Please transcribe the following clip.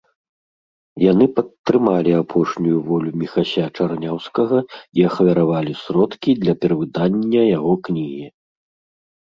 Яны падтрымалі апошнюю волю Міхася Чарняўскага і ахвяравалі сродкі для перавыдання яго кнігі.